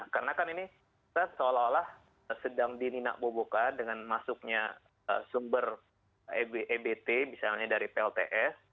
karena kan ini seolah olah sedang dininak bobokan dengan masuknya sumber ebt misalnya dari plts